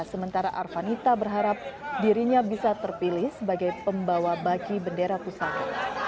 sementara arvanita berharap dirinya bisa terpilih sebagai pembawa baki bendera pusara